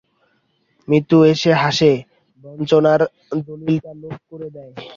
মৃত্যু এসে হাসে, বঞ্চনার দলিলটা লোপ করে দেয়।